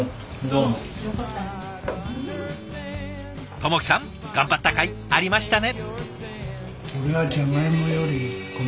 朋紀さん頑張ったかいありましたね。